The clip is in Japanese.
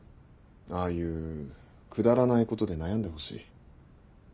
ああいうくだらないことで悩んでほしい。